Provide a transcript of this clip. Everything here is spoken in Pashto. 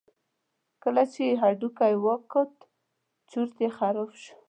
کله چې یې هډوکی وکوت چورت یې خراب شو.